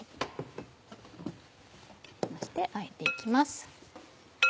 そしてあえて行きます。